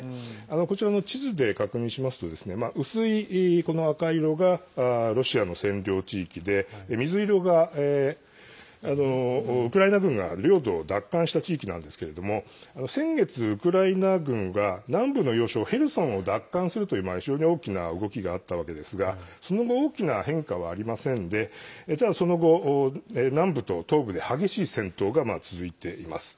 こちらの地図で確認しますと薄い赤色がロシアの占領地域で水色がウクライナ軍が領土を奪還した地域なんですけれども先月、ウクライナ軍が南部の要衝ヘルソンを奪還するという非常に大きな動きがあったわけですがその後大きな変化はありませんでその後、南部と東部で激しい戦闘が続いています。